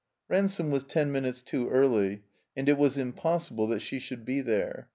Ransome was ten minutes too early, and it was im possible that she shotdd be there.